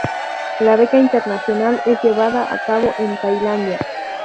La beca internacional es llevada a cabo en Tailandia.